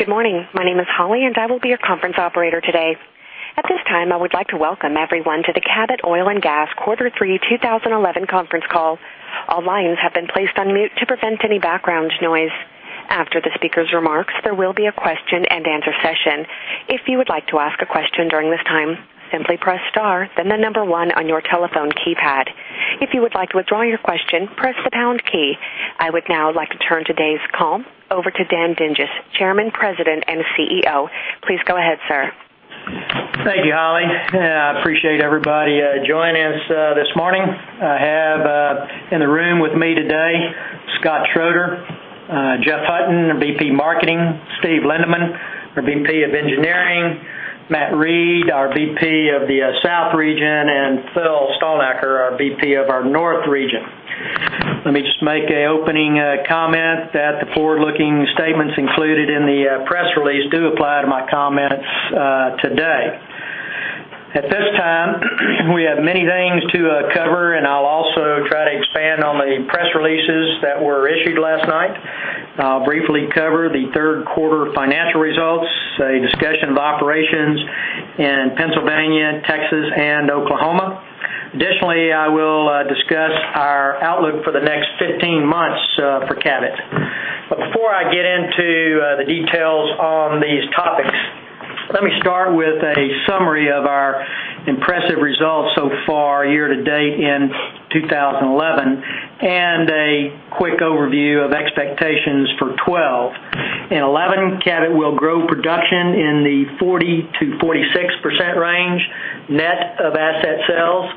Good morning. My name is Holly, and I will be your conference operator today. At this time, I would like to welcome everyone to the Cabot Oil & Gas Quarter Three 2011 Conference Call. All lines have been placed on mute to prevent any background noise. After the speaker's remarks, there will be a question and answer session. If you would like to ask a question during this time, simply press star, then the number one on your telephone keypad. If you would like to withdraw your question, press the pound key. I would now like to turn today's call over to Dan Dinges, Chairman, President, and CEO. Please go ahead, sir. Thank you, Holly. I appreciate everybody joining us this morning. I have in the room with me today Scott Schroeder, Jeffrey Hutton, Steve Lindeman, our Vice President of Engineering, Matt Reid, our Vice President of the South Region, and Phillip Stalnaker, our Vice President of our North Region. Let me just make an opening comment that the forward-looking statements included in the press release do apply to my comments today. At this time, we have many things to cover, and I'll also try to expand on the press releases that were issued last night. I'll briefly cover the third quarter financial results, a discussion of operations in Pennsylvania, Texas, and Oklahoma. Additionally, I will discuss our outlook for the next 15 months for Cabot. Before I get into the details on these topics, let me start with a summary of our impressive results so far, year to date in 2011, and a quick overview of expectations for 2012. In 2011, Cabot will grow production in the 40%-46% range net of asset sales.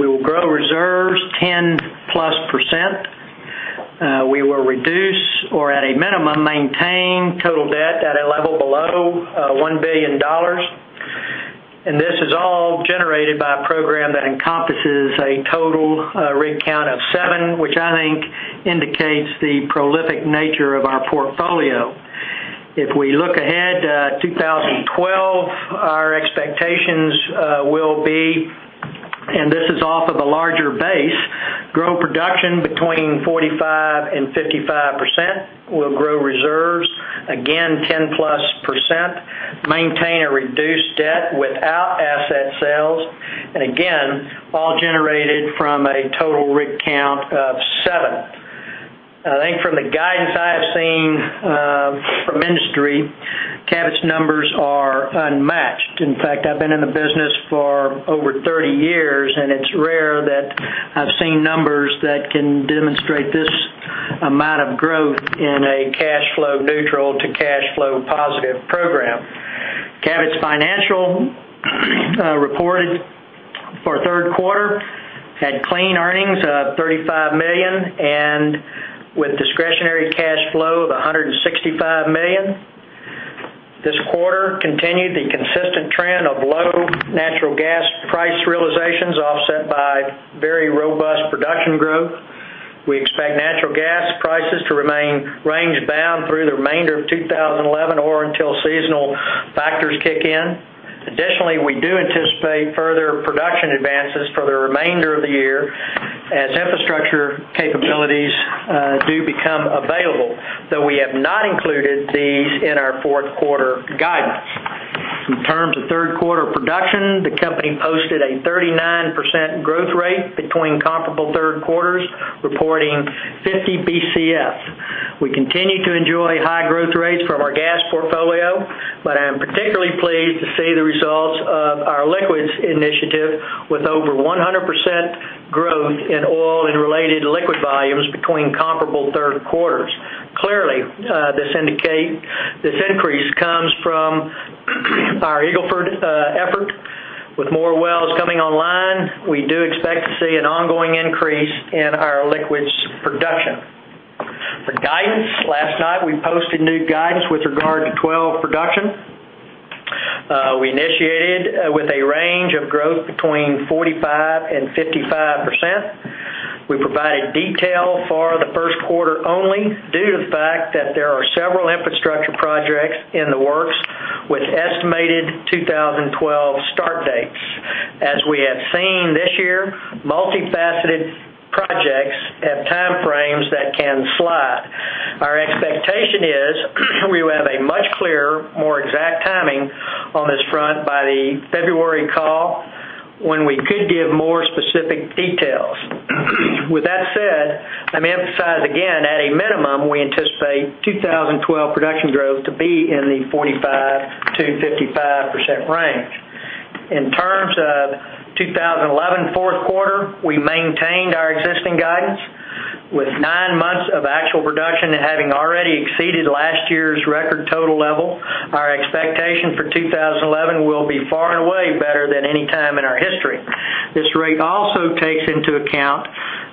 We will grow reserves 10% plus. We will reduce, or at a minimum, maintain total debt at a level below $1 billion. This is all generated by a program that encompasses a total rate account of seven, which I think indicates the prolific nature of our portfolio. If we look ahead to 2012, our expectations will be, and this is off of a larger base, grow production between 45% and 55%. We'll grow reserves again 10% plus, maintain a reduced debt without asset sales, and again, all generated from a total rate account of seven. I think from the guidance I have seen from industry, Cabot's numbers are unmatched. In fact, I've been in the business for over 30 years, and it's rare that I've seen numbers that can demonstrate this amount of growth in a cash flow neutral to cash flow positive program. Cabot's financial reported for the third quarter had clean earnings of $35 million and with discretionary cash flow of $165 million. This quarter continued the consistent trend of low natural gas price realizations, offset by very robust production growth. We expect natural gas prices to remain range-bound through the remainder of 2011 or until seasonal factors kick in. Additionally, we do anticipate further production advances for the remainder of the year as infrastructure capabilities do become available, though we have not included these in our fourth quarter guidance. In terms of third quarter production, the company posted a 39% growth rate between comparable third quarters, reporting 50 BCF. We continue to enjoy high growth rates from our gas portfolio, but I am particularly pleased to see the results of our liquids initiative with over 100% growth in oil and related liquid volumes between comparable third quarters. Clearly, this increase comes from our Eagle Ford effort. With more wells coming online, we do expect to see an ongoing increase in our liquids production. For guidance, last night we posted new guidance with regard to 2012 production. We initiated with a range of growth between 45% and 55%. We provided detail for the first quarter only due to the fact that there are several infrastructure projects in the works with estimated 2012 start dates. As we have seen this year, multifaceted projects have timeframes that can slide. Our expectation is we will have a much clearer, more exact timing on this front by the February call when we could give more specific details. With that said, I'm emphasizing again, at a minimum, we anticipate 2012 production growth to be in the 45%-55% range. In terms of 2011 fourth quarter, we maintained our existing guidance with nine months of actual production having already exceeded last year's record total level. Our expectation for 2011 will be far and away better than any time in our history. This rate also takes into account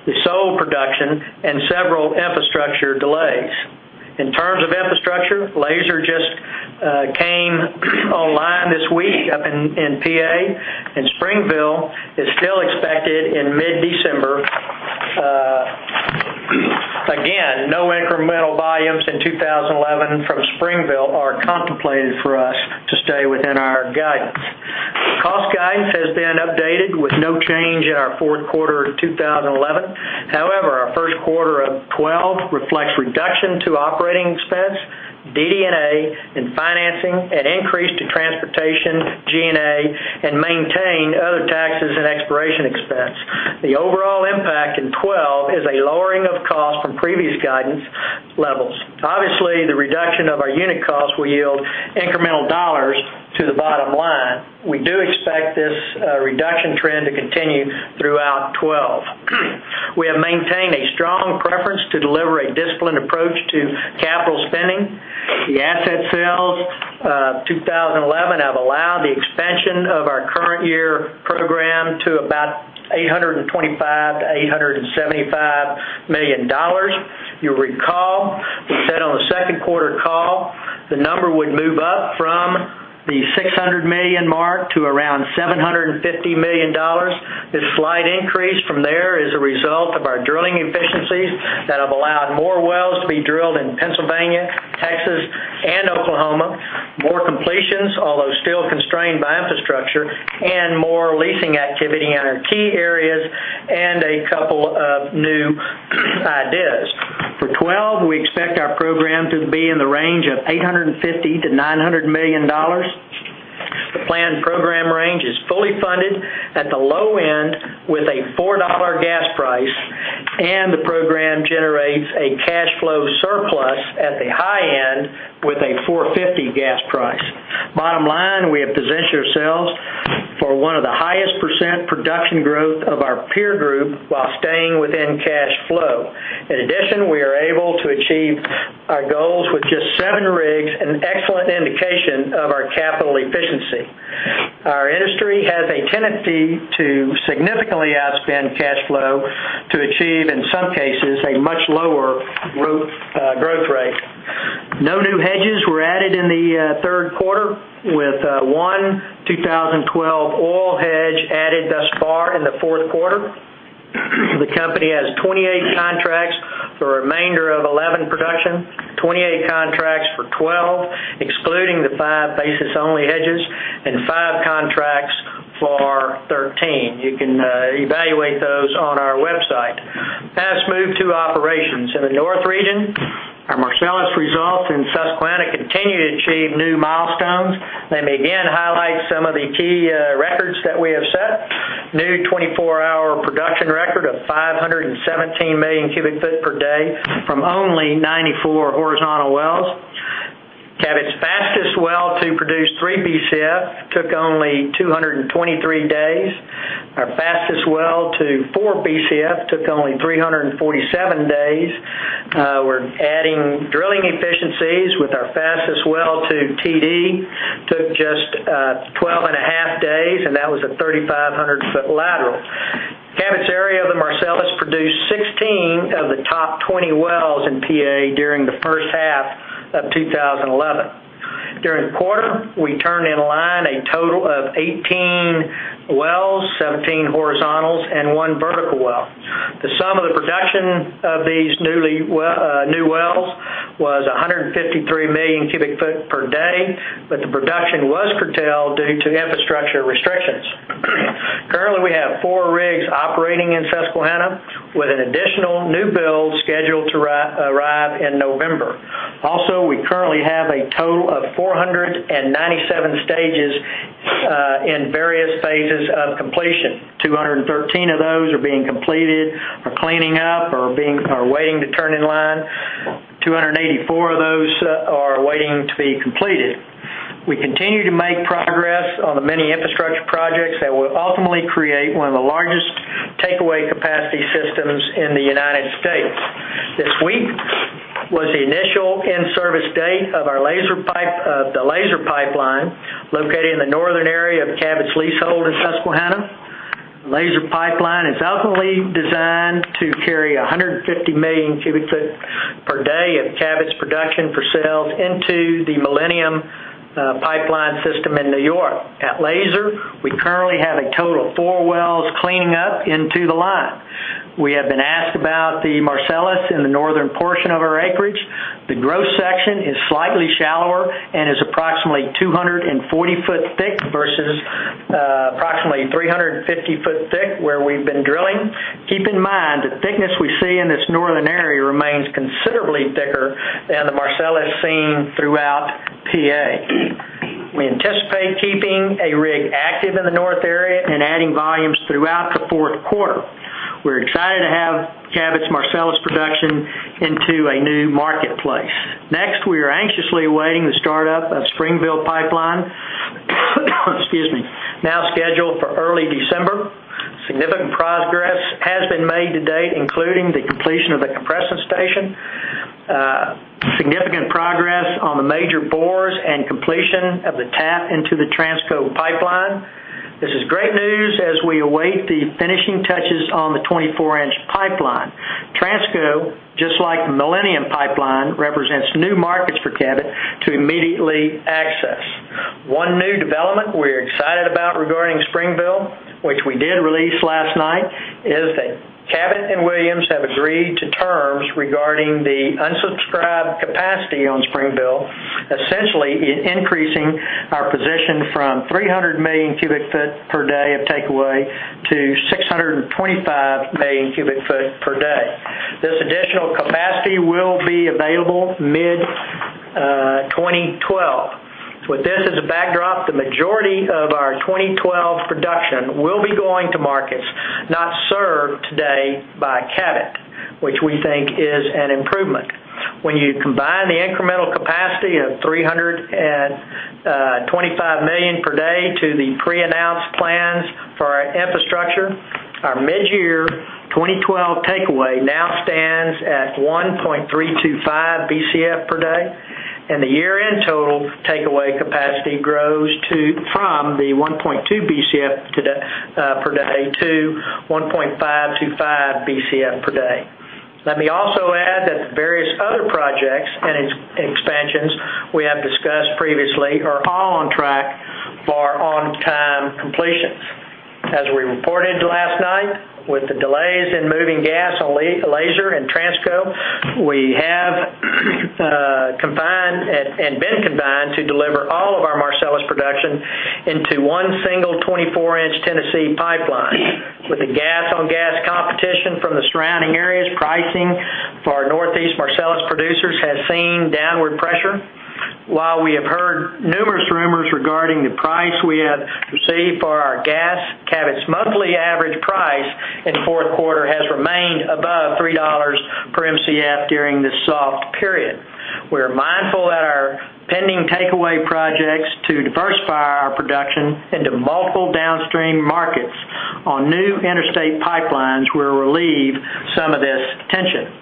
the sole production and several infrastructure delays. In terms of infrastructure, Laser Pipeline just came online this week up in Pennsylvania, and Springville Pipeline is still expected in mid-December. Again, no incremental volumes in 2011 from Springville Pipeline are contemplated for us to stay within our guidance. Cost guidance has been updated with no change in our fourth quarter of 2011. However, our third quarter of 2012 reflects reduction to operating expense, DD&A, and financing, and increase to transportation, G&A, and maintain other taxes and exploration expense. The overall impact in 2012 is a lowering of costs from previous guidance levels. Obviously, the reduction of our unit costs will yield incremental dollars to the bottom line. We do expect this reduction trend to continue throughout 2012. We have maintained a strong preference to deliver a disciplined approach to capital spending. The asset sales of 2011 have allowed the expansion of our current year program to about $825 million-$875 million. You'll recall we said on the second quarter call the number would move up from the $600 million mark to around $750 million. This slight increase from there is a result of our drilling efficiencies that have allowed more wells to be drilled in Pennsylvania, Texas, and Oklahoma, more completions, although still constrained by infrastructure, and more leasing activity in our key areas, and a couple of new ideas. For 2012, we expect our program to be in the range of $850 million-$900 million. The planned program range is fully funded at the low end with a $4 gas price, and the program generates a cash flow surplus at the high end with a $4.50 gas price. Bottom line, we have positioned ourselves for one of the highest % production growth of our peer group while staying within cash flow. In addition, we are able to achieve our goals with just seven rigs, an excellent indication of our capital efficiency. Our industry has a tendency to significantly outspend cash flow to achieve, in some cases, a much lower growth rate. No new hedges were added in the third quarter, with one 2012 oil hedge added thus far in the fourth quarter. The company has 28 contracts for the remainder of 2011 production, 28 contracts for 2012, excluding the five basis-only hedges, and five contracts for 2013. You can evaluate those on our website. Past move to operations in the North Region, our Marcellus results in Susquehanna continue to achieve new milestones. Let me again highlight some of the key records that we have set: new 24-hour production record of 517 MMCF per day from only 94 horizontal wells. Cabot's fastest well to produce 3 BCF took only 223 days. Our fastest well to 4 BCF took only 347 days. We're adding drilling efficiencies with our fastest well to TD, took just 12.5 days, and that was a 3,500-ft lateral. Cabot's area of the Marcellus produced 16 of the top 20 wells in Pennsylvania during the first half of 2011. During the quarter, we turned in line a total of 18 wells, 17 horizontals, and one vertical well. The sum of the production of these new wells was 153 MMCF per day, but the production was curtailed due to infrastructure restrictions. Currently, we have four rigs operating in Susquehanna with an additional new build scheduled to arrive in November. Also, we currently have a total of 497 stages in various phases of completion. 213 of those are being completed, are cleaning up, or are waiting to turn in line. 284 of those are waiting to be completed. We continue to make progress on the many infrastructure projects that will ultimately create one of the largest takeaway capacity systems in the United States. This week was the initial in-service date of the Laser Pipeline located in the northern area of Cabot's leasehold in Susquehanna. The Laser Pipeline is ultimately designed to carry 150 MMCF per day of Cabot's production for sales into the Millennium Pipeline System in New York. At Laser, we currently have a total of four wells cleaning up into the line. We have been asked about the Marcellus in the northern portion of our acreage. The gross section is slightly shallower and is approximately 240-ft thick versus approximately 350-ft thick where we've been drilling. Keep in mind, the thickness we see in this northern area remains considerably thicker than the Marcellus seen throughout Pennsylvania. We anticipate keeping a rig active in the north area and adding volumes throughout the fourth quarter. We're excited to have Cabot's Marcellus production into a new marketplace. Next, we are anxiously awaiting the startup of Springville Pipeline, now scheduled for early December. Significant progress has been made to date, including the completion of the compressor station, significant progress on the major bores, and completion of the tap into the Transco Pipeline. This is great news as we await the finishing touches on the 24-inch pipeline. Transco, just like the Millennium Pipeline, represents new markets for Cabot to immediately access. One new development we're excited about regarding Springville, which we did release last night, is that Cabot and Williams have agreed to terms regarding the unsubscribed capacity on Springville, essentially increasing our position from 300 MMCF per day of takeaway to 625 MMCF per day. The additional capacity will be available mid-2012. With this as a backdrop, the majority of our 2012 production will be going to markets not served today by Cabot, which we think is an improvement. When you combine the incremental capacity of 325 million per day to the pre-announced plans for our infrastructure, our mid-year 2012 takeaway now stands at 1.325 BCF per day, and the year-end total takeaway capacity grows from the 1.2 BCF per day to 1.525 BCF per day. Let me also add that the various other projects and expansions we have discussed previously are all on track for on-time completions. As we reported last night, with the delays in moving gas on Laser and Transco, we have combined and been compelled to deliver all of our Marcellus production into one single 24-inch Tennessee pipeline. With the gap on gas competition from the surrounding areas, pricing for our Northeast Marcellus producers has seen downward pressure. While we have heard numerous rumors regarding the price we have received for our gas, Cabot's monthly average price in the fourth quarter has remained above $3 per MCF during this soft period. We are mindful that our pending takeaway projects to diversify our production into multiple downstream markets on new interstate pipelines will relieve some of this tension.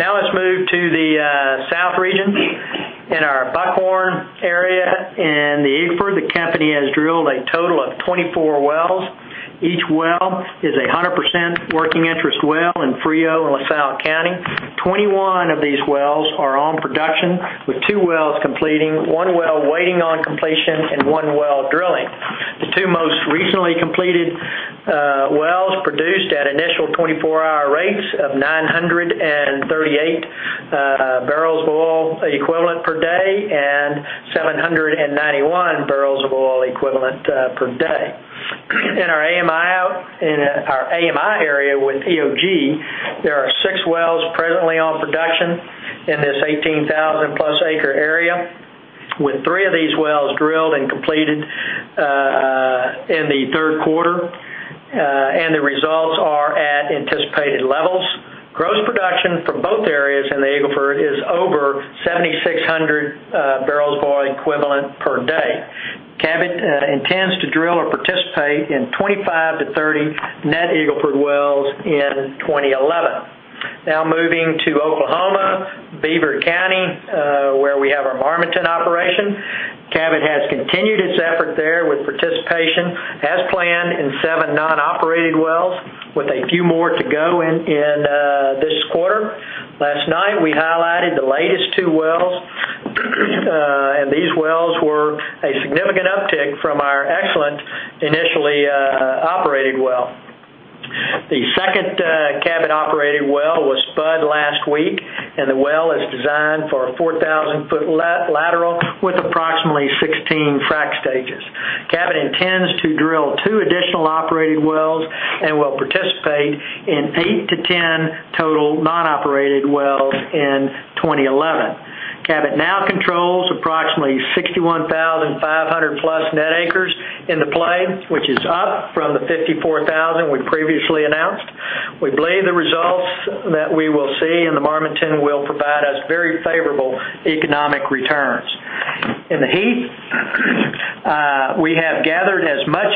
Now let's move to the South Region. In our Buckhorn area in the Eagle Ford, the company has drilled a total of 24 wells. Each well is a 100% working interest well in Frio and LaSalle County. Twenty-one of these wells are on production, with two wells completing, one well waiting on completion, and one well drilling. The two most recently completed wells produced at initial 24-hour rates of 938 barrels of oil equivalent per day and 791 barrels of oil equivalent per day. In our AMI area with EOG, there are six wells presently on production in this 18,000-plus acre area, with three of these wells drilled and completed in the third quarter, and the results are at anticipated levels. Gross production from both areas in the Eagle Ford is over 7,600 barrels of oil equivalent per day. Cabot intends to drill or participate in 25-30 net Eagle Ford wells in 2011. Now moving to Oklahoma, Beaver County, where we have our Marmaton operation, Cabot has continued its effort there with participation as planned in seven non-operated wells, with a few more to go in this quarter. Last night, we highlighted the latest two wells, and these wells were a significant uptick from our excellent initially operated well. The second Cabot operated well was spud last week, and the well is designed for a 4,000-ft lateral with approximately 16 frac stages. Cabot intends to drill two additional operated wells and will participate in eight to ten total non-operated wells in 2011. Cabot now controls approximately 61,500 net acres in the play, which is up from the 54,000 we previously announced. We believe the results that we will see in the Marmaton will provide us very favorable economic returns. In the Heath, we have gathered as much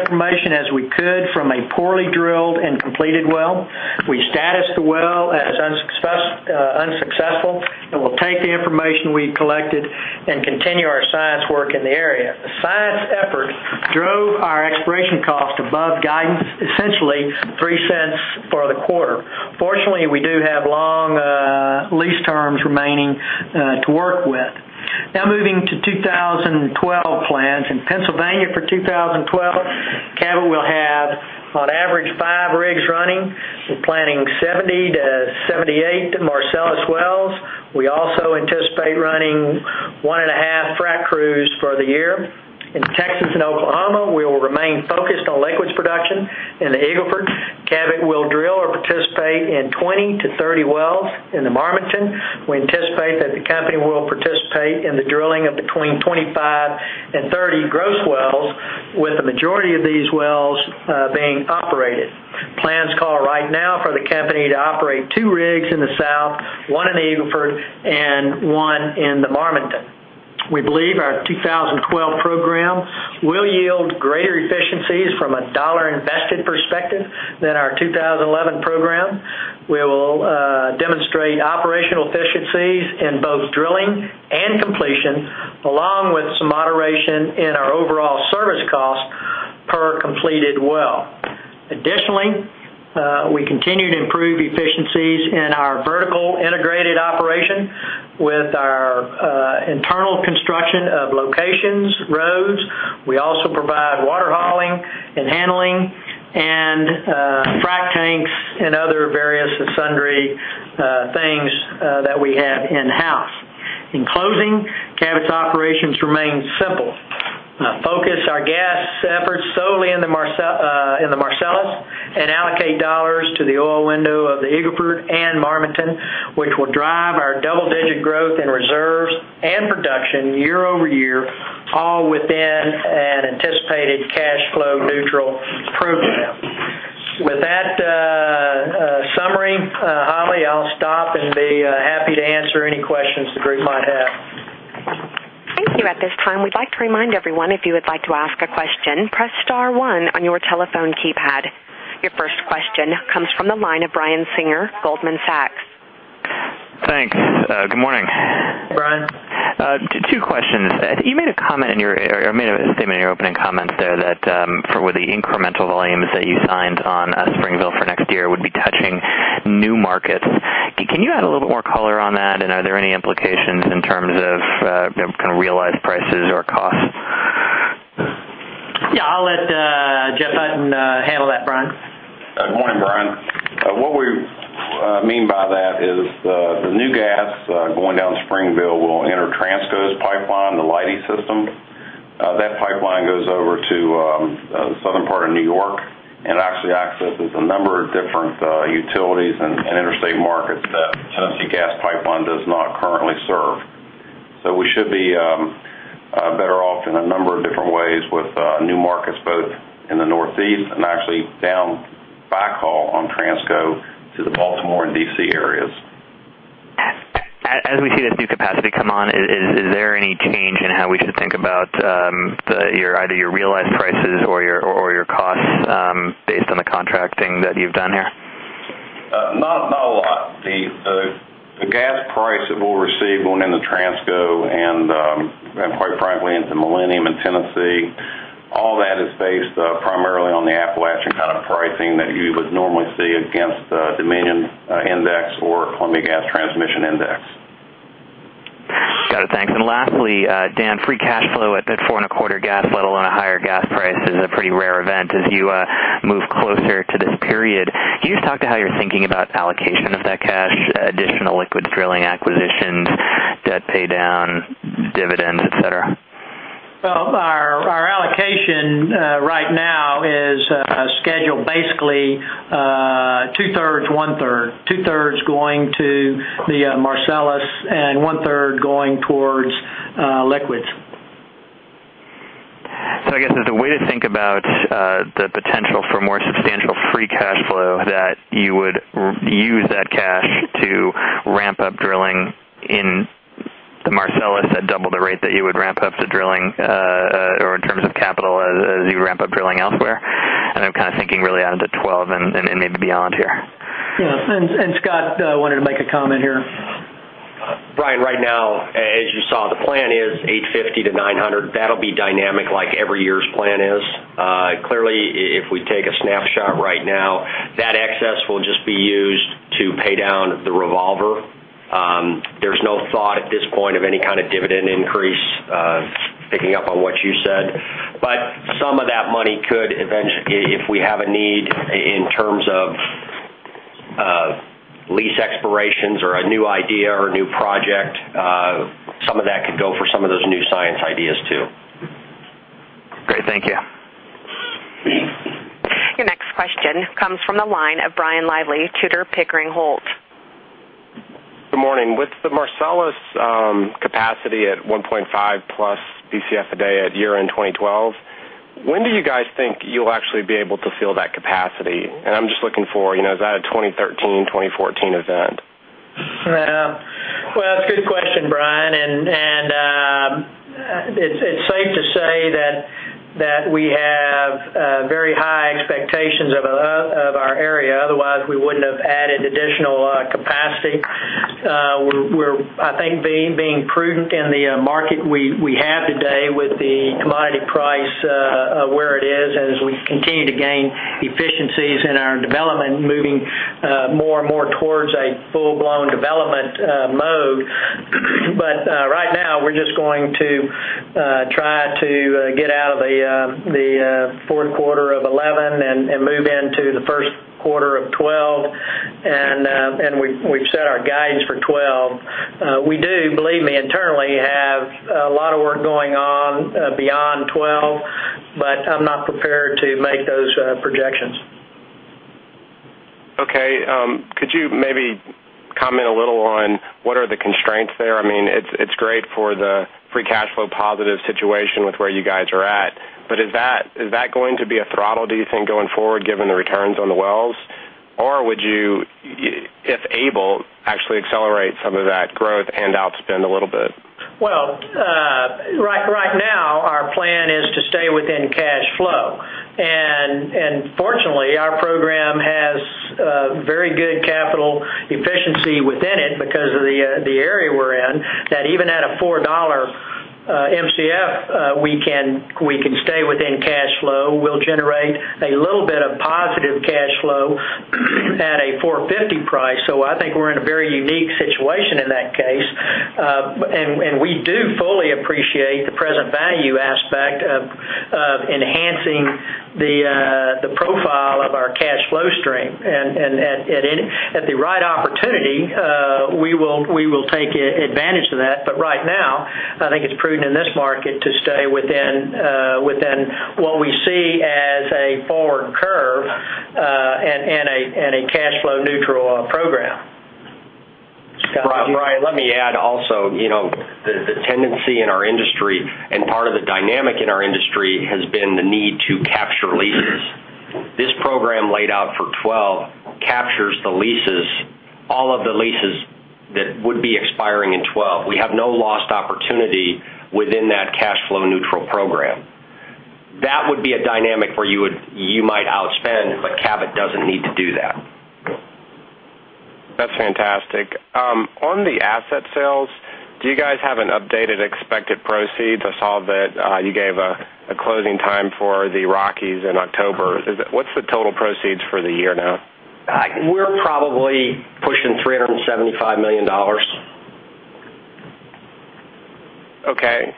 information as we could from a poorly drilled and completed well. We status the well as unsuccessful and will take the information we collected and continue our science work in the area. The science effort drove our exploration costs above guidance, essentially $0.03 for the quarter. Fortunately, we do have long lease terms remaining to work with. Now moving to 2012 plans. In Pennsylvania for 2012, Cabot will have on average five rigs running. We're planning 70-78 Marcellus wells. We also anticipate running one and a half frac crews for the year. In Texas and Oklahoma, we will remain focused on liquids production. In the Eagle Ford Shale, Cabot will drill or participate in 20-30 wells. In the Marmaton play, we anticipate that the company will participate in the drilling of between 25 and 30 gross wells, with the majority of these wells being operated. Plans call right now for the company to operate two rigs in the South, one in Eagle Ford and one in the Marmaton. We believe our 2012 program will yield greater efficiencies from a dollar invested perspective than our 2011 program. We will demonstrate operational efficiencies in both drilling and completion, along with some moderation in our overall service cost per completed well. Additionally, we continue to improve efficiencies in our vertically integrated operation with our internal construction of locations, roads. We also provide water hauling and handling and frac tanks and other various assembly things that we have in-house. In closing, Cabot's operations remain simple. Focus our gas efforts solely in the Marcellus and allocate dollars to the oil window of the Eagle Ford and Marmaton, which will drive our double-digit growth in reserves and production year over year, all within an anticipated cash flow neutral program. With that summary, Holly, I'll stop and be happy to answer any questions the group might have. Thank you. At this time, we'd like to remind everyone, if you would like to ask a question, press star one on your telephone keypad. Your first question comes from the line of Brian Singer, Goldman Sachs. Thank you. Good morning. Brian. Two questions. You made a comment in your opening comments that for the incremental volumes that you signed on Springville for next year would be touching new markets. Can you add a little bit more color on that, and are there any implications in terms of real-life prices or costs? Yeah, I'll let Jeff handle that, Brian. Good morning, Brian. What we mean by that is the new gas going down Springville will enter Transco's pipeline, the Leidy system. That pipeline goes over to the southern part of New York, and it actually connects with a number of different utilities and interstate markets that Millennium Pipeline does not currently serve. We should be better off in a number of different ways with new markets, both in the Northeast and actually down by call on Transco to the Baltimore and DC areas. As we see this new capacity come on, is there any change in how we should think about either your realized prices or your costs based on the contracting that you've done here? Not a lot. The gas price that we'll receive going into Transco and, quite frankly, into Millennium and Tennessee, all that is based primarily on the Appalachian kind of pricing that you would normally see against the Dominion Index or Millennium Gas Transmission Index. Got it. Thanks. Lastly, Dan, free cash flow at the $4.25 gas, let alone a higher gas price, is a pretty rare event as you move closer to this period. Can you just talk to how you're thinking about allocation of that cash, additional liquids drilling, acquisitions, debt paydown, dividends, etc.? Our allocation right now is scheduled basically 2/3, 1/3. 2/3 going to the Marcellus and 1/3 going towards liquids. I guess there's a way to think about the potential for more substantial free cash flow that you would use that cash to ramp up drilling in the Marcellus at double the rate that you would ramp up the drilling or in terms of capital as you ramp up drilling elsewhere. I'm kind of thinking really out into 2012 and maybe beyond here. Yeah, Scott wanted to make a comment here. Brian, right now, as you saw, the plan is 850-900. That'll be dynamic like every year's plan is. Clearly, if we take a snapshot right now, that excess will just be used to pay down the revolver. There's no thought at this point of any kind of dividend increase, picking up on what you said. Some of that money could eventually, if we have a need in terms of lease expirations or a new idea or a new project, go for some of those new science ideas too. Great. Thank you. Your next question comes from the line of Brian Lively, Tudor Pickering Holt. Good morning. With the Marcellus capacity at 1.5+ BCF a day at year-end 2012, when do you guys think you'll actually be able to fill that capacity? I'm just looking for, you know, is that a 2013-2014 event? That's a good question, Brian. It is safe to say that we have very high expectations of our area. Otherwise, we wouldn't have added additional capacity. I think we are being prudent in the market we have today with the commodity price where it is, as we continue to gain efficiencies in our development, moving more and more towards a full-blown development mode. Right now, we are just going to try to get out of the fourth quarter of 2011 and move into the first quarter of 2012. We have set our guidance for 2012. We do, believe me, internally have a lot of work going on beyond 2012, but I'm not prepared to make those projections. Okay. Could you maybe comment a little on what are the constraints there? I mean, it's great for the free cash flow positive situation with where you guys are at. Is that going to be a throttle, do you think, going forward, given the returns on the wells? Would you, if able, actually accelerate some of that growth and outspend a little bit? Right now, our plan is to stay within cash flow. Fortunately, our program has very good capital efficiency within it because of the area we're in, that even at a $4 MCF, we can stay within cash flow. We'll generate a little bit of positive cash flow at a $4.50 price. I think we're in a very unique situation in that case. We do fully appreciate the present value aspect of enhancing the profile of our cash flow stream. At the right opportunity, we will take advantage of that. Right now, I think it's prudent in this market to stay within what we see as a forward curve and a cash flow neutral program. Brian, let me add also, you know, the tendency in our industry and part of the dynamic in our industry has been the need to capture leases. This program laid out for 2012 captures the leases, all of the leases that would be expiring in 2012. We have no lost opportunity within that cash flow neutral program. That would be a dynamic where you might outspend, but Cabot doesn't need to do that. That's fantastic. On the asset sales, do you guys have an updated expected proceed? I saw that you gave a closing time for the Rockies in October. What's the total proceeds for the year now? We're probably pushing $375 million. Okay.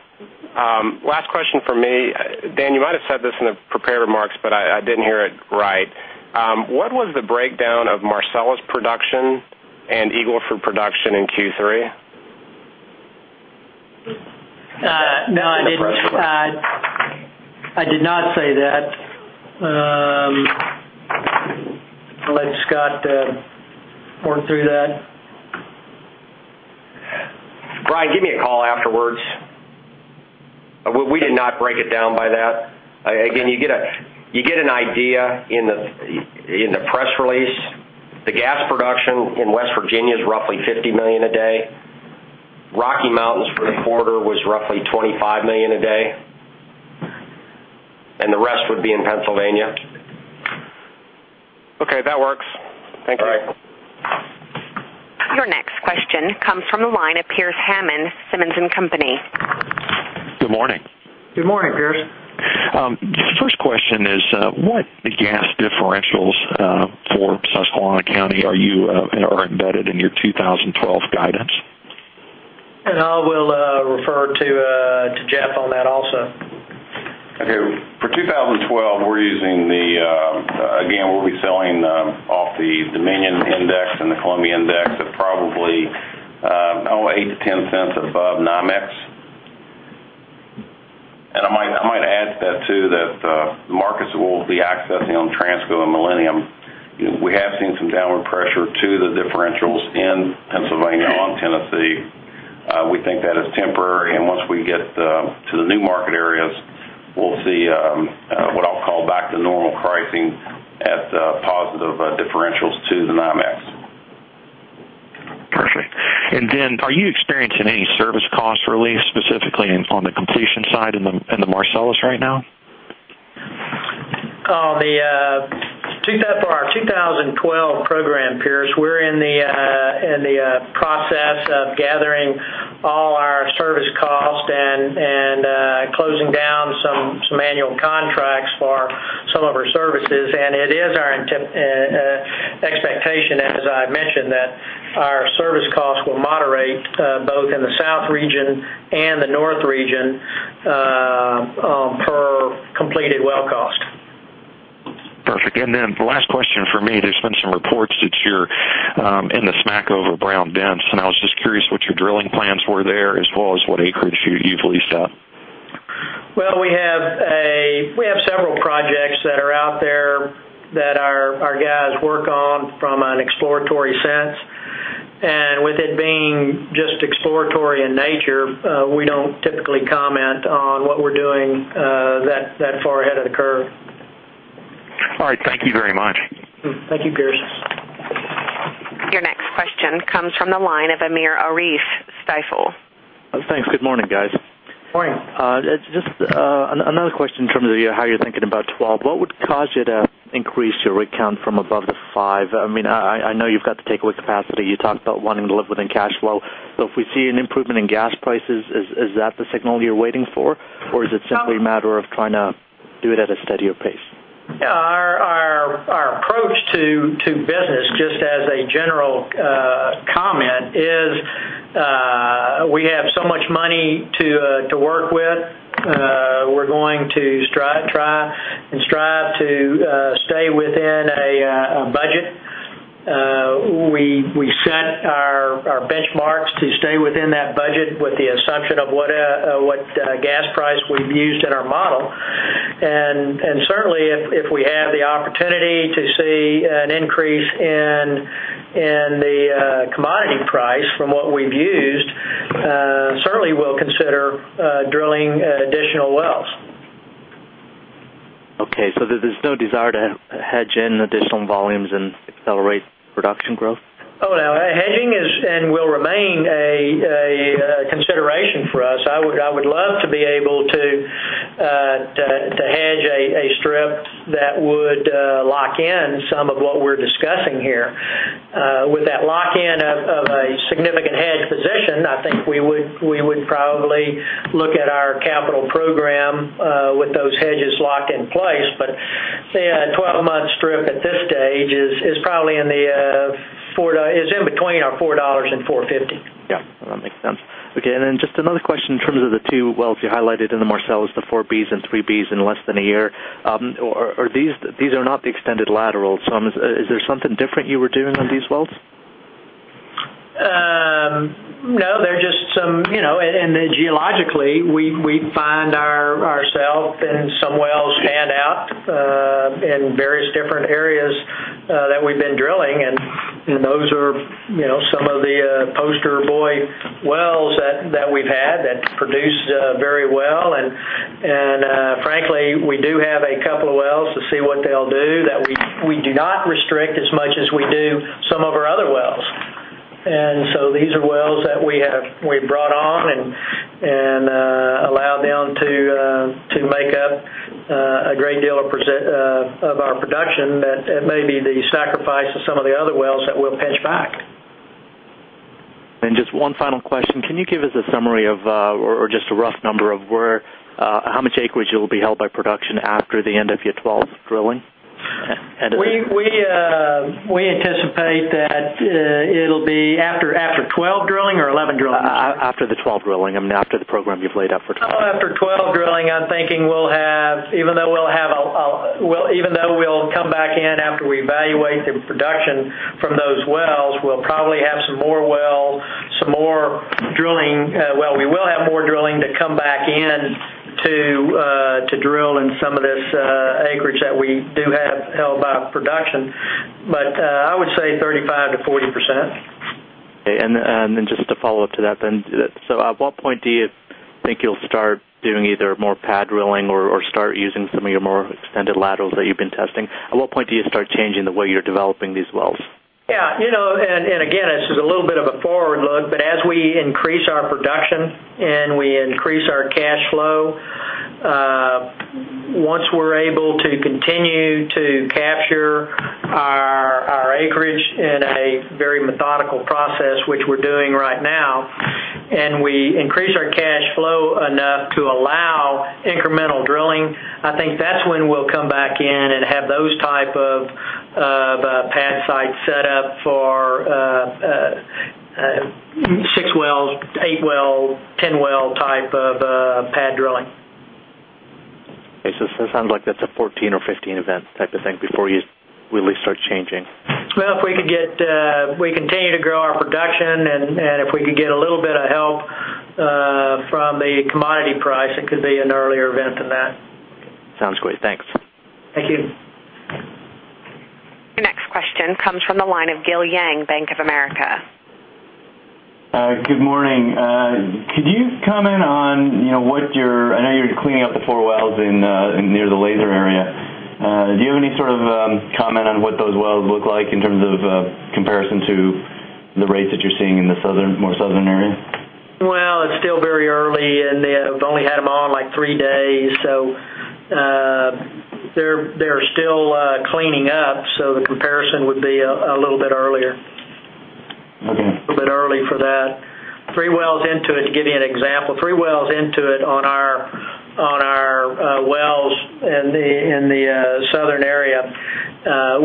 Last question from me. Dan, you might have said this in the prepared remarks, but I didn't hear it right. What was the breakdown of Marcellus production and Eagle Ford production in Q3? No, I did not say that. I'll let Scott work through that. Brian, give me a call afterwards. We did not break it down by that. Again, you get an idea in the press release. The gas production in West Virginia is roughly 50 million a day. Rocky Mountains for the quarter was roughly 25 million a day. The rest would be in Pennsylvania. Okay, that works. Thank you. All right. Your next question comes from the line of Pearce Hammond, Simmons & Company. Good morning. Good morning, Pierce. The first question is, what gas price differentials for Susquehanna County are you embedded in your 2012 guidance? I will refer to Jeff on that also. Okay. For 2012, we're using the, again, we'll be selling off the Dominion Index and the Columbia Index at probably $0.08-$0.10 and above NYMEX. I might add to that too, that the markets that we'll be accessing on Transco and Millennium, we have seen some downward pressure to the differentials in Pennsylvania on Tennessee. We think that is temporary. Once we get to the new market areas, we'll see what I'll call back to normal pricing at positive differentials to the NYMEX. Perfect. Are you experiencing any service cost relief specifically on the completion side in the Marcellus right now? On the 2012 program, Pierce, we're in the process of gathering all our service costs and closing down some annual contracts for some of our services. It is our expectation, as I mentioned, that our service costs will moderate both in the South Region and the North Region per completed well cost. Perfect. The last question for me, there's been some reports that you're in the Smackover Brown Dense. I was just curious what your drilling plans were there, as well as what acreage you've leased out. We have several projects that are out there that our guys work on from an exploratory sense. With it being just exploratory in nature, we don't typically comment on what we're doing that far ahead of the curve. All right. Thank you very much. Thank you, Pearce. Your next question comes from the line of Amir Arif, Stifel. Thanks. Good morning, guys. Morning. Just another question in terms of how you're thinking about 2012. What would cause you to increase your rig count from above the 5? I mean, I know you've got the takeaway capacity. You talked about wanting to live within cash flow. If we see an improvement in gas prices, is that the signal you're waiting for, or is it simply a matter of trying to do it at a steadier pace? Yeah. Our approach to business, just as a general comment, is we have so much money to work with. We're going to try and strive to stay within a budget. We set our benchmarks to stay within that budget with the assumption of what gas price we've used in our model. Certainly, if we have the opportunity to see an increase in the commodity price from what we've used, certainly we'll consider drilling additional wells. Okay. There's no desire to hedge in additional volumes and accelerate production growth? Hedging is and will remain a consideration for us. I would love to be able to hedge a strip that would lock in some of what we're discussing here. With that lock-in of a significant hedge position, I think we would probably look at our capital program with those hedges locked in place. A 12-month strip at this stage is probably in the $4-$4.50 range. Yeah. That makes sense. Okay. Just another question in terms of the two wells you highlighted in the Marcellus, the 4Bs and 3Bs in less than a year. These are not the extended laterals. Is there something different you were doing on these wells? No. They're just some, you know, and geologically, we find ourselves fitting some wells in various different areas that we've been drilling. Those are some of the poster boy wells that we've had that produced very well. Frankly, we do have a couple of wells to see what they'll do that we do not restrict as much as we do some of our other wells. These are wells that we have brought on and allowed them to make up a great deal of our production that may be the sacrifice of some of the other wells that we'll pinch back. Just one final question. Can you give us a summary of, or just a rough number of how much acreage will be held by production after the end of your 2012 drilling? We anticipate that it'll be after 2012 drilling or 2011 drilling? After the 2012 drilling, I mean, after the program you've laid out for 2012. Oh, after 2012 drilling, I'm thinking we'll have, even though we'll come back in after we evaluate the production from those wells, we'll probably have some more drilling. We will have more drilling to come back in to drill in some of this acreage that we do have held by production. I would say 35%-40%. Okay. Just to follow up to that, at what point do you think you'll start doing either more pad drilling or start using some of your more extended laterals that you've been testing? At what point do you start changing the way you're developing these wells? Yeah, you know, it's a little bit of a forward look, but as we increase our production and we increase our cash flow, once we're able to continue to capture our acreage in a very methodical process, which we're doing right now, and we increase our cash flow enough to allow incremental drilling, I think that's when we'll come back in and have those types of pad sites set up for 6 wells, 8 wells, 10 well type of pad drilling. Okay, it sounds like that's a 14 or 15 events type of thing before we at least start changing. If we could get, we continue to grow our production, and if we could get a little bit of help from the commodity price, it could be an earlier event than that. Okay. Sounds great. Thanks. Thank you. Your next question comes from the line of Gil Yang, Bank of America. Good morning. Could you comment on what your, I know you're cleaning up the four wells near the Laser Pipeline area. Do you have any sort of comment on what those wells look like in terms of comparison to the rates that you're seeing in the more southern area? It is still very early, and they've only had them on like three days. They're still cleaning up, so the comparison would be a little bit earlier. Okay. A little bit early for that. Three wells into it, to give you an example, three wells into it on our wells in the southern area,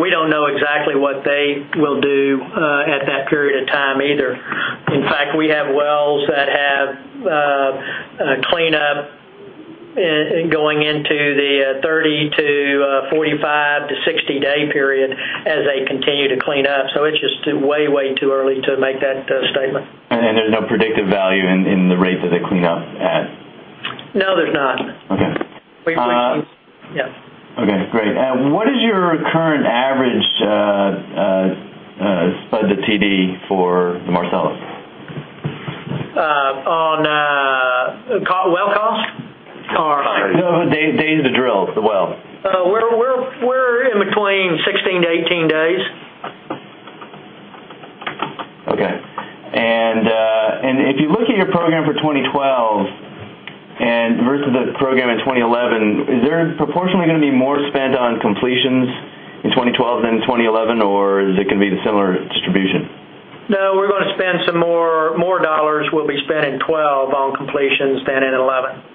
we don't know exactly what they will do at that period of time either. In fact, we have wells that have cleanup going into the 30 to 45 to 60-day period as they continue to clean up. It is just way, way too early to make that statement. Is there no predictive value in the rate that they clean up at? No, there's not. Okay. Yeah. Okay. Great. What is your current average TD for the Marcellus? On well cost? Sorry. Days to drill the well. We're in between 16-18 days. Okay. If you look at your program for 2012 versus the program in 2011, is there proportionately going to be more spent on completions in 2012 than 2011, or is it going to be the similar distribution? No, we're going to spend some more dollars. We'll be spending more in 2012 on completions than in 2011.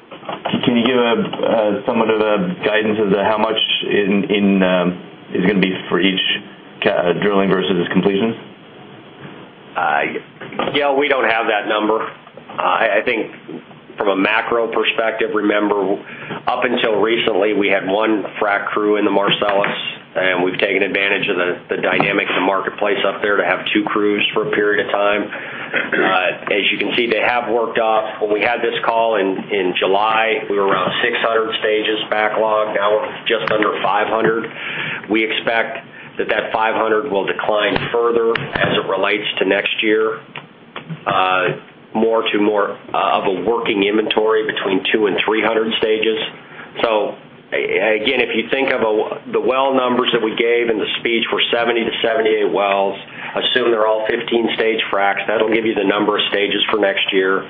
Can you give some of the guidance as to how much is going to be for each drilling versus completion? Yeah, we don't have that number. I think from a macro perspective, remember, up until recently, we had one frac crew in the Marcellus, and we've taken advantage of the dynamic in the marketplace up there to have two crews for a period of time. As you can see, they have worked up. When we had this call in July, we were around 600 stages backlogged. Now we're just under 500. We expect that 500 will decline further as it relates to next year, more to more of a working inventory between 200 and 300 stages. If you think of the well numbers that we gave and the speech for 70 to 78 wells, assume they're all 15-stage fracs, that'll give you the number of stages for next year.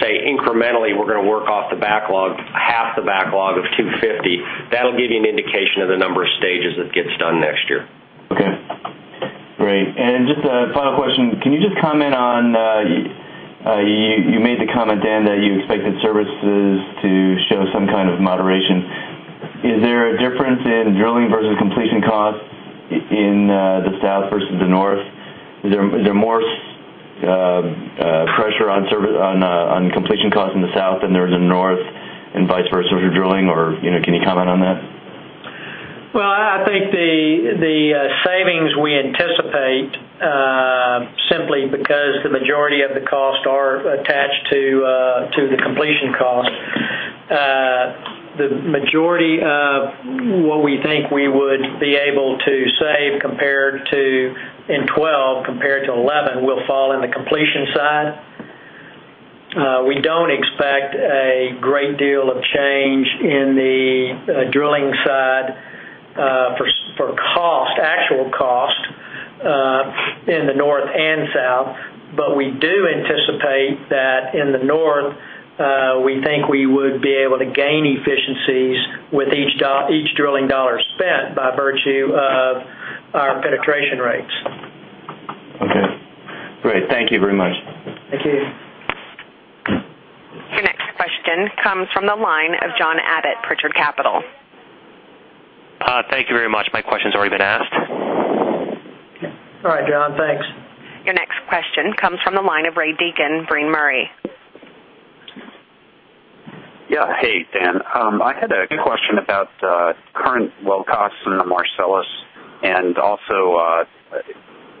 Say, incrementally, we're going to work off the backlog, half the backlog of 250. That'll give you an indication of the number of stages that gets done next year. Okay. Great. Just a final question. Can you comment on, you made the comment, Dan, that you expected services to show some kind of moderation. Is there a difference in drilling versus completion cost in the South versus the North? Is there more pressure on completion costs in the South than there is in the North and vice versa for drilling, or can you comment on that? I think the savings we anticipate simply because the majority of the costs are attached to the completion cost. The majority of what we think we would be able to save in 2012 compared to 2011 will fall in the completion side. We don't expect a great deal of change in the drilling side for cost, actual cost in the North and South. We do anticipate that in the North, we think we would be able to gain efficiencies with each drilling dollar spent by virtue of our penetration rates. Okay. Great. Thank you very much. Thank you. Your next question comes from the line of John Abbott, Pritchard Capital. Thank you very much. My question's already been asked. All right, John. Thanks. Your next question comes from the line of Ray Deacon, Brean Murray. Yeah. Hey, Dan. I had a question about current well costs in the Marcellus. Also,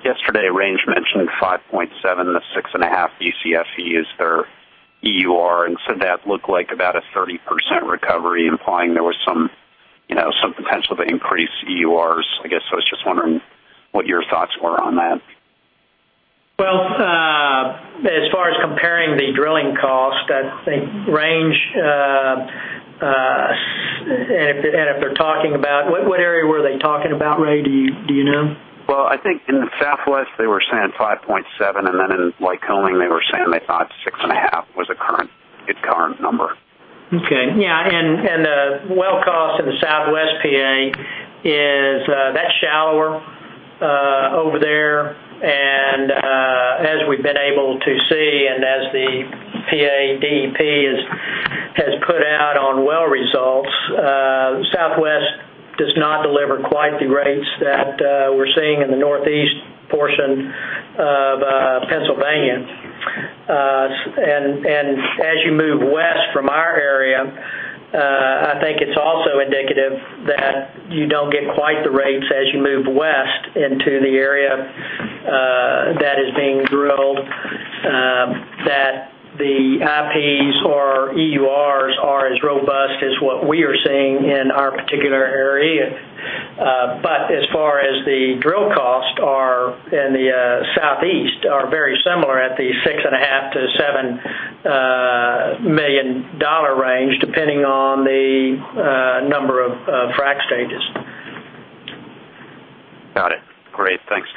yesterday, Ray mentioned 5.7-6.5 BCF he used for EUR, and said that looked like about a 30% recovery, implying there was some, you know, some potential to increase EURs. I guess I was just wondering what your thoughts were on that. As far as comparing the drilling cost, I think range, and if they're talking about what area were they talking about, Ray, do you know? I think in the Southwest, they were saying 5.7, and then in Lycoming, they were saying they thought 6.5 was the current number. Okay. Yeah. The well cost in Southwest Pennsylvania is that's shallower over there. As we've been able to see, and as the PA DEP has put out on well results, Southwest does not deliver quite the rates that we're seeing in the northeast portion of Pennsylvania. As you move west from our area, I think it's also indicative that you don't get quite the rates as you move west into the area that is being drilled, that the IPs or EURs are as robust as what we are seeing in our particular area. As far as the drill costs in the southeast, they are very similar at the $6.5 million-$7 million range, depending on the number of frac stages. Great. Thanks.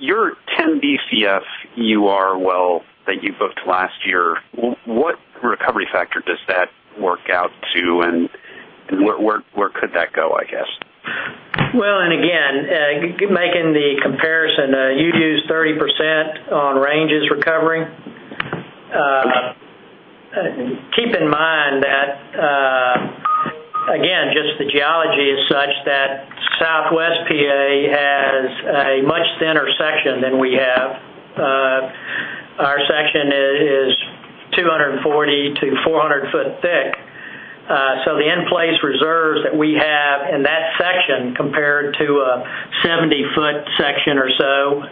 Your 10 BCF EUR well that you booked last year, what recovery factor does that work out to, and where could that go, I guess? Making the comparison, you'd use 30% on Range's recovery. Keep in mind that just the geology is such that southwest Pennsylvania has a much thinner section than we have. Our section is 240-400 ft thick. The in-place reserves that we have in that section compared to a 70-ft section or so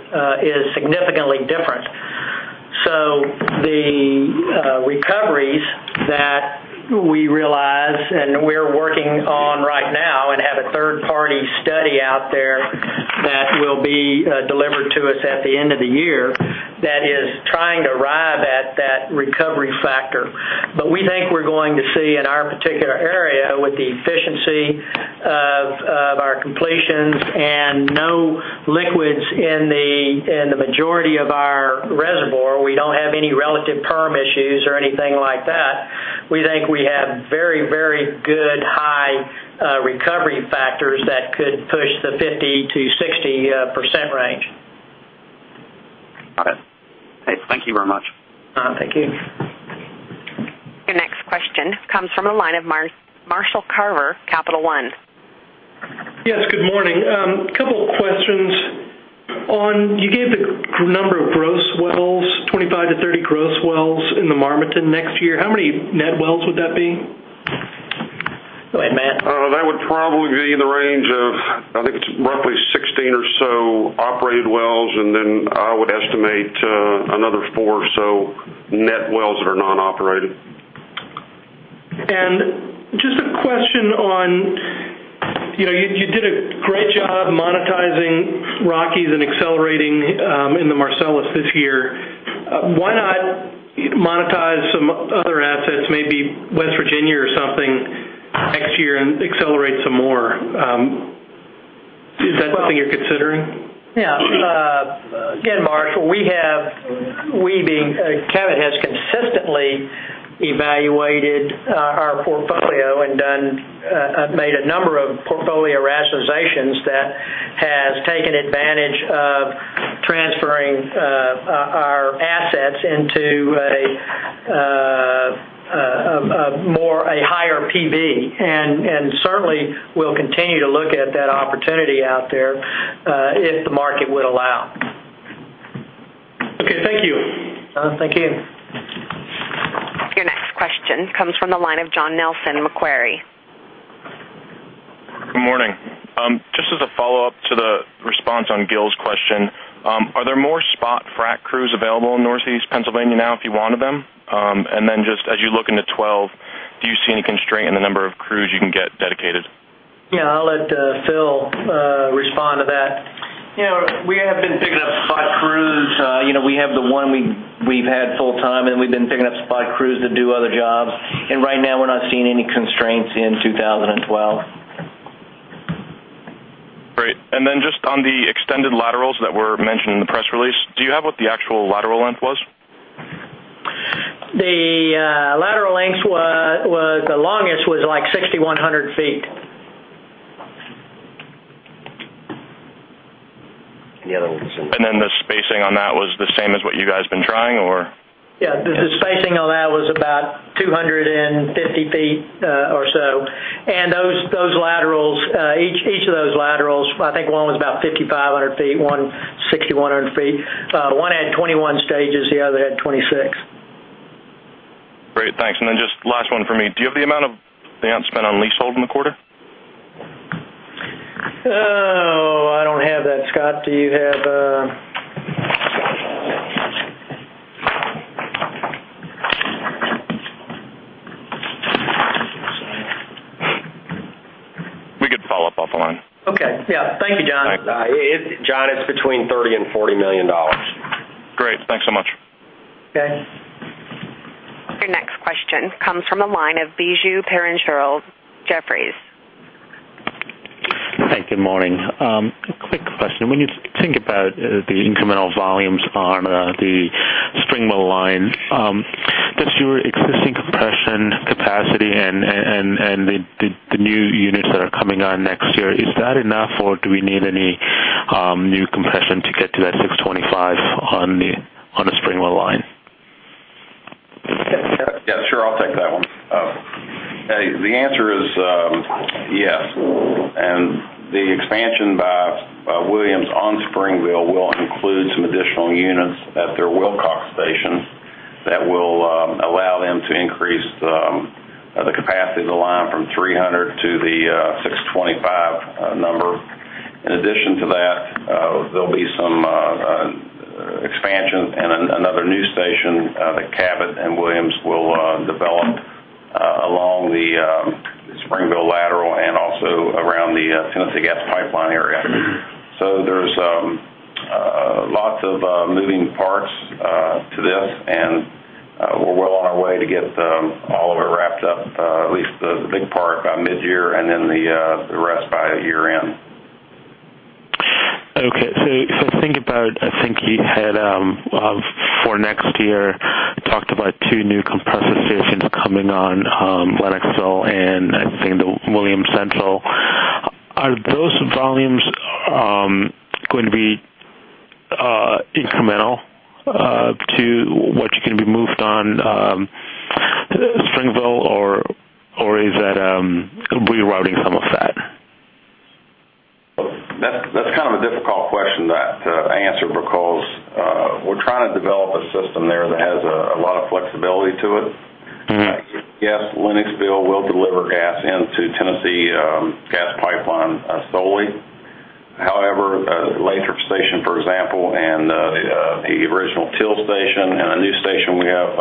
is significantly different. The recoveries that we realize, and we're working on right now and have a third-party study out there that will be delivered to us at the end of the year, is trying to arrive at that recovery factor. We think we're going to see in our particular area, with the efficiency of our completions and no liquids in the majority of our reservoir, we don't have any relative perm issues or anything like that. We think we have very, very good high recovery factors that could push the 50%-60% range. Got it. Thank you very much. Thank you. Your next question comes from the line of Marshall Carver, Capital One. Yes. Good morning. A couple of questions. You gave the number of gross wells, 25-30 gross wells in the Marmaton next year. How many net wells would that be? Go ahead, Matt. That would probably be in the range of, I think it's roughly 16 or so operated wells, and then I would estimate another 4 or so net wells that are non-operated. Just a question on, you did a great job monetizing Rockies and accelerating in the Marcellus this year. Why not monetize some other assets, maybe West Virginia or something next year and accelerate some more? Is that something you're considering? Yeah. Again, Mark, we have, Cabot has consistently evaluated our portfolio and made a number of portfolio rationalizations that have taken advantage of transferring our assets into a higher PV. Certainly, we'll continue to look at that opportunity out there if the market would allow. Okay, thank you. Thank you. Your next question comes from the line of John Nelson, Macquarie. Good morning. Just as a follow-up to the response on Gil's question, are there more spot frac crews available in northeast Pennsylvania now if you wanted them? As you look into 2012, do you see any constraint in the number of crews you can get dedicated? Yeah. I'll let Phil respond to that. You know, we have been picking up spot crews. You know, we have the one we've had full-time, and we've been picking up spot crews that do other jobs. Right now, we're not seeing any constraints in 2012. Great. On the extended laterals that were mentioned in the press release, do you have what the actual lateral length was? The lateral length was the longest, was like 6,100 ft. That will just. The spacing on that was the same as what you guys have been trying, or? Yeah. The spacing on that was about 250 ft or so. Those laterals, each of those laterals, I think one was about 5,500 ft, one 6,100 ft. One had 21 stages, the other had 26. Great. Thanks. Just last one for me. Do you have the amount spent on leasehold in the quarter? Oh, I don't have that. Scott, do you have? We could follow up off the line. Okay. Yeah. Thank you, John. John, it's between $30 million and $40 million. Great, thanks so much. Okay. Your next question comes from the line of Biju Perincheril, Jefferies. Hey, good morning. A quick question. When you think about the incremental volumes on the Springville Pipeline, does your existing compression capacity and the new units that are coming on next year, is that enough, or do we need any new compression to get to that 625 on the Springville Pipeline? Yeah. Yeah. Sure. I'll take that one. The answer is yes. The expansion by Williams on Springville will include some additional units at their Wilcox station that will allow them to increase the capacity of the line from 300 to the 625 number. In addition to that, there will be some expansion and another new station that Cabot and Williams will develop along the Springville lateral and also around the Tennessee Gas Pipeline area. There are lots of moving parts to this, and we're well on our way to get all of it wrapped up, at least the big part by mid-year and then the rest by year-end. Okay. If I think about, I think you had for next year, talked about two new compressor stations coming on, Lenoxville and I think the Williams Central. Are those volumes going to be incremental to what's going to be moved on Springville, or is that rerouting some of that? That's kind of a difficult question to answer because we're trying to develop a system there that has a lot of flexibility to it. Yes, Lenoxville will deliver gas into Tennessee Gas Pipeline solely. However, the Lathrop station, for example, and the original Till station, and the new station we have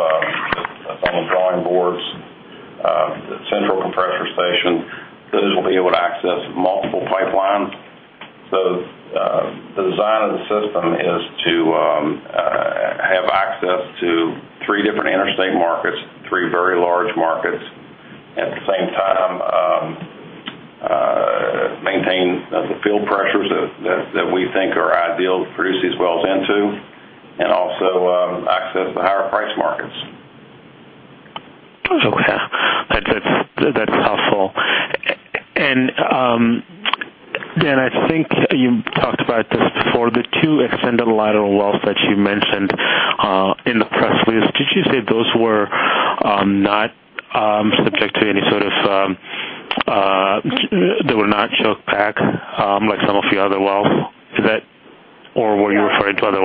on the volume boards, the Central compressor station, will be able to access multiple pipelines. The design of the system is to have access to three different interstate markets, three very large markets, and at the same time, maintain the field pressures that we think are ideal to produce these wells into and also access the higher price markets. Okay. That's helpful. I think you talked about this before. The two extended lateral wells that you mentioned in the press release, did you say those were not subject to any sort of, they were not choked back like some of the other wells, is that, or were you referring to other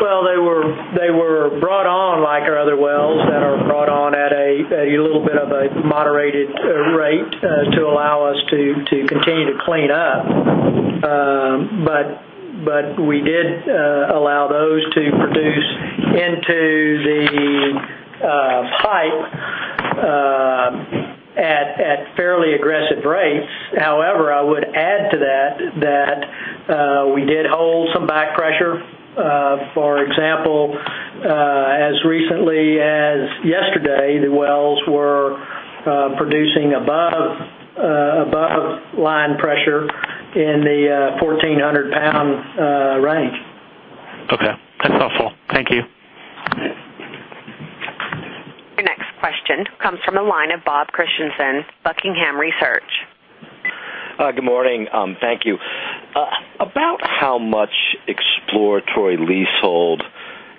wells? They were brought on like our other wells that are brought on at a little bit of a moderated rate to allow us to continue to clean up. We did allow those to produce into the pipe at fairly aggressive rates. However, I would add to that that we did hold some back pressure. For example, as recently as yesterday, the wells were producing above line pressure in the 1,400-lb. range. Okay, that's helpful. Thank you. Your next question comes from the line of Bob Christensen, Buckingham Research. Good morning. Thank you. About how much exploratory leasehold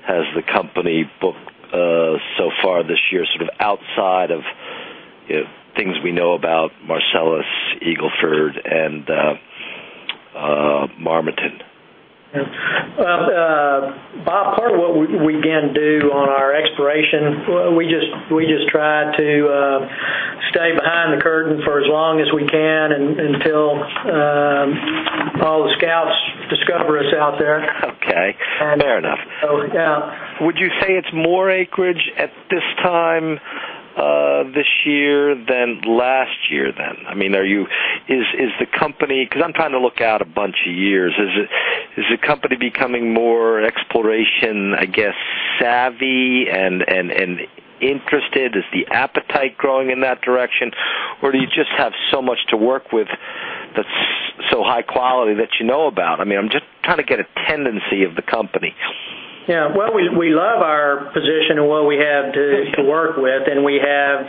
has the company booked so far this year, sort of outside of things we know about Marcellus, Eagle Ford, and Marmaton? Bob, part of what we again do on our exploration, we just try to stay behind the curtain for as long as we can until all the scouts discover us out there. Okay, fair enough. So yeah. Would you say it's more acreage at this time this year than last year? I mean, are you, is the company, because I'm trying to look out a bunch of years, is the company becoming more exploration, I guess, savvy and interested? Is the appetite growing in that direction, or do you just have so much to work with that's so high quality that you know about? I'm just trying to get a tendency of the company. Yeah. We love our position and what we have to work with, and we have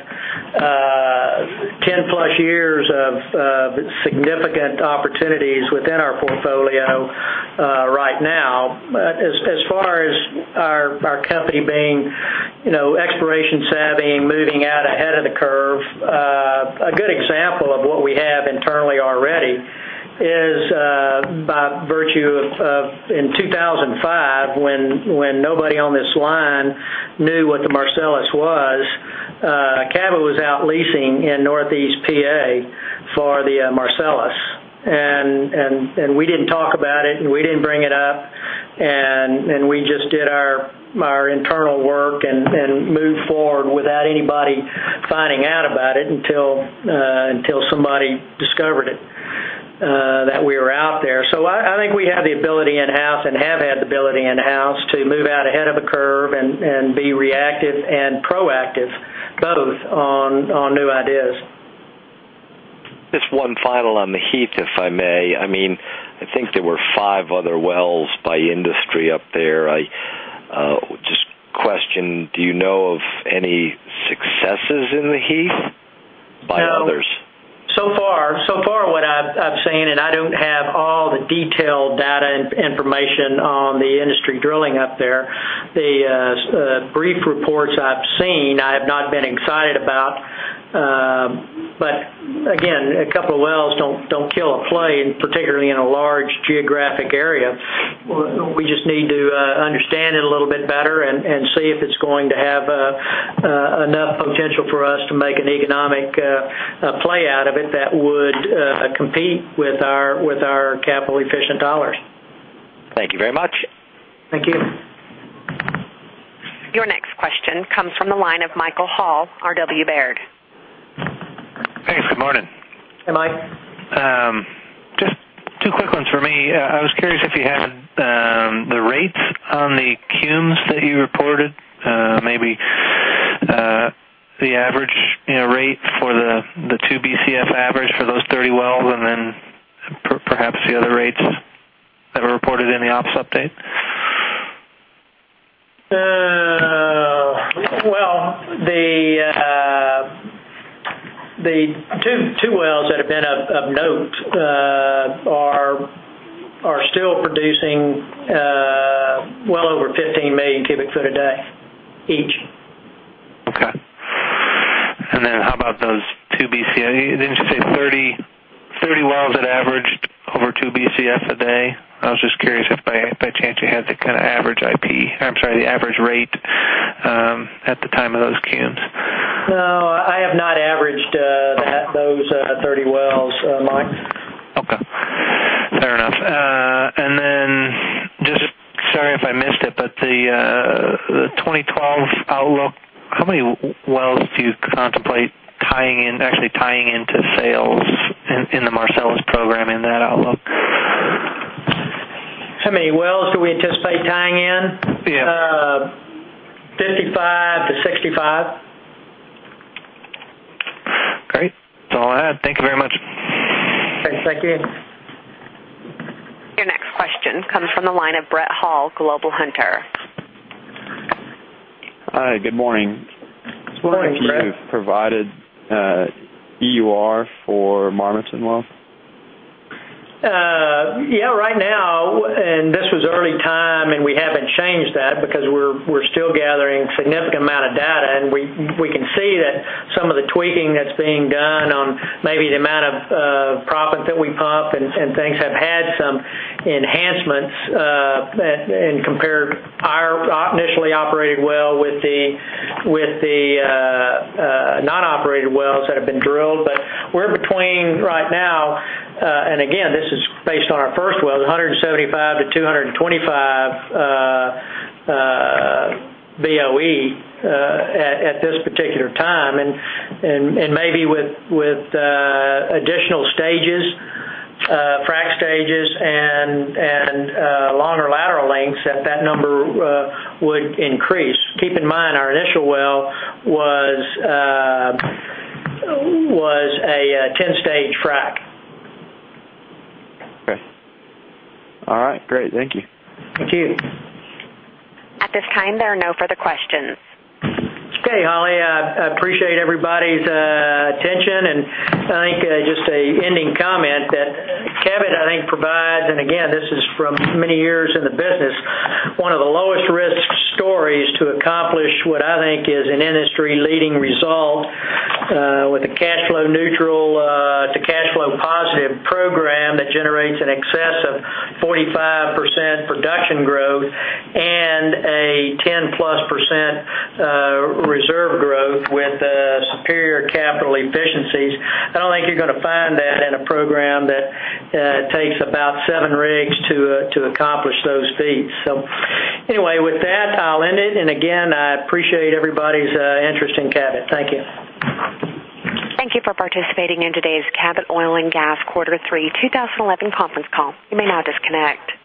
10+ years of significant opportunities within our portfolio right now. As far as our company being, you know, exploration savvy, moving out ahead of the curve, a good example of what we have internally already is by virtue of in 2005, when nobody on this line knew what the Marcellus was, Cabot was out leasing in northeast Pennsylvania for the Marcellus. We didn't talk about it, and we didn't bring it up. We just did our internal work and moved forward without anybody finding out about it until somebody discovered it that we were out there. I think we have the ability in-house and have had the ability in-house to move out ahead of the curve and be reactive and proactive both on new ideas. Just one final on the Heath, if I may. I think there were five other wells by industry up there. I just question, do you know of any successes in the Heath by others? What I've seen, and I don't have all the detailed data and information on the industry drilling up there, the brief reports I've seen, I have not been excited about. Again, a couple of wells don't kill a flame, particularly in a large geographic area. We just need to understand it a little bit better and see if it's going to have enough potential for us to make an economic play out of it that would compete with our capital efficient dollars. Thank you very much. Thank you. Your next question comes from the line of Michael Hall, R. W. Baird. Hey, good morning. Hey, Mike. Just two quick ones for me. I was curious if you had the rates on the cumes that you reported, maybe the average rate for the 2 BCF average for those 30 wells, and then perhaps the other rates that were reported in the ops update. The two wells that have been of note are still producing well over 15 MMCF a day each. Okay. How about those 2 BCF? Didn't you say 30 wells at average over 2 BCF a day? I was just curious if by chance you had the kind of average IP, I'm sorry, the average rate at the time of those cumes. No, I have not averaged those 30 wells, Mike. Okay. Fair enough. Sorry if I missed it, but the 2012 outlook, how many wells do you contemplate tying in, actually tying into sales in the Marcellus program in that outlook? How many wells do we anticipate tying in? Yeah. 55 to 65. Great. That's all I had. Thank you very much. Okay, thank you. Your next question comes from the line of Brett Hall, Global Hunter. All right, good morning. Morning. Do you have provided EUR for Marmaton wells? Yeah, right now, this was early time, and we haven't changed that because we're still gathering a significant amount of data. We can see that some of the tweaking that's being done on maybe the amount of proppant that we pump and things have had some enhancements compared to our initially operated well with the non-operated wells that have been drilled. We're between, right now, and again, this is based on our first well, 175-225 BOE at this particular time. Maybe with additional stages, frac stages, and longer lateral lengths, that number would increase. Keep in mind, our initial well was a 10-stage frac. Okay. All right. Great. Thank you. Thank you. At this time, there are no further questions. Okay, Holly, I appreciate everybody's attention. I think just an ending comment that Cabot, I think, provides, and again, this is from many years in the business, one of the lowest risk stories to accomplish what I think is an industry-leading result with a cash flow neutral to cash flow positive program that generates an excess of 45% production growth and a 10+% reserve growth with the superior capital efficiencies. I don't think you're going to find that in a program that takes about seven rigs to accomplish those feats. Anyway, with that, I'll end it. I appreciate everybody's interest in Cabot. Thank you. Thank you for participating in today's Cabot Quarter Three 2011 conference call. You may now disconnect.